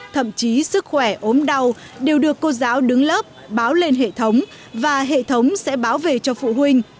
thậm chí sức khỏe ốm đau đều được cô giáo đứng lớp báo lên hệ thống và hệ thống sẽ báo về cho phụ huynh